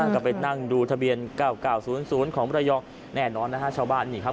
ก็ไปนั่งดูทะเบียน๙๙๐๐ของมรยองแน่นอนนะฮะชาวบ้านนี่ครับ